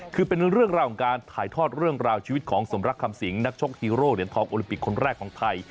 คือเป็นเรื่องราวของการถ่ายทอดเรื่องราวชีวิตของสมรักคำสิงนักชกฮีโร่เหรียญทองโอลิมปิกคนแรกของไทย